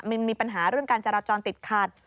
มีปัญหาเรื่องการจราจรติดขัด